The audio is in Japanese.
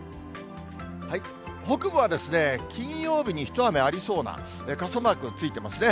北部は金曜日に一雨ありそうな、傘マークついてますね。